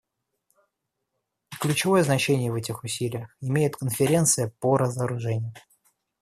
И ключевое значение в этих усилиях имеет Конференция по разоружению.